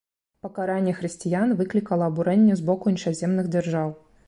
Пакаранне хрысціян выклікала абурэнне з боку іншаземных дзяржаў.